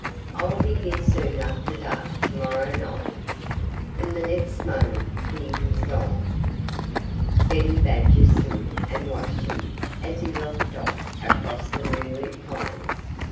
"I'll be here soon after dark to morrow night." And the next moment he was gone. Benny Badger stood and watched him as he loped off across the moonlit plain.